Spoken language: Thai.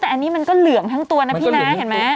แต่อันนี้มันก็เหลืองทั้งตัวนะพี่นะเห็นไหม